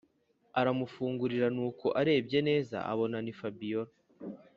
aramukingurira nuko arebye neza abona ni fabiora.